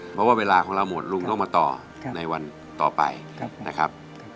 เพราะว่าเวลาของเราหมดลุงต้องมาต่อในวันต่อไปนะครับ